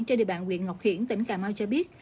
trên địa bàn huyện ngọc hiển tỉnh cà mau cho biết